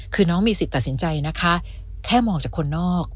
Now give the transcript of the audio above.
คือน้องมีสิทธิ์ตัดสินใจนะคะแค่มองจากคนนอก